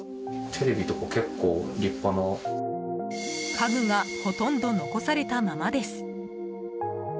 家具がほとんど残されたままです。